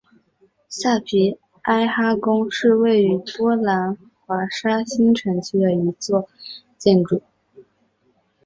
萨皮埃哈宫是位于波兰华沙新城区的一座建筑。